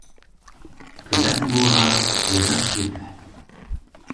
Теләк булһа, йөрәк етә.